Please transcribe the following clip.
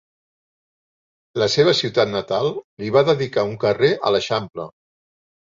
La seva ciutat natal li va dedicar un carrer a l'eixample.